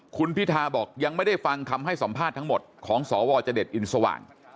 คุณพิทาบอกยังไม่ได้ฟังคำให้สัมภาษณ์ทั้งหมดของสวจเด็ดอินสว่าง